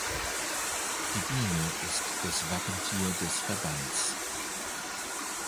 Die Biene ist das Wappentier des Verbands.